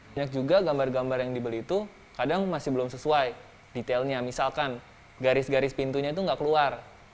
banyak juga gambar gambar yang dibeli itu kadang masih belum sesuai detailnya misalkan garis garis pintunya itu nggak keluar